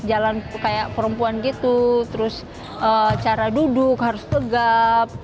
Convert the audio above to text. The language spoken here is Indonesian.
jalan kayak perempuan gitu terus cara duduk harus tegap